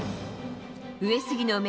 上杉の明